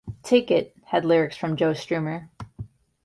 "Take It" had lyrics from Joe Strummer.